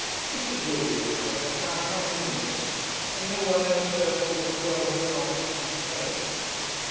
Mrs. Woodward, however, found nothing amiss, and no one else therefore could well have a right to complain.